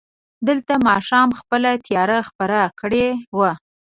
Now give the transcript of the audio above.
دلته ماښام خپله تياره خپره کړې وه.